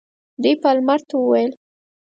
دوی پالمر ته وویل.